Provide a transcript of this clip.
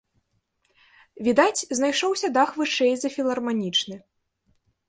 Відаць, знайшоўся дах вышэй за філарманічны.